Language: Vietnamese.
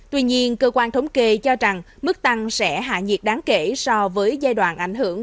tuy nhiên cơ quan thống kê cho rằng mức tăng sẽ hạ nhiệt đáng kể so với giai đoạn ảnh hưởng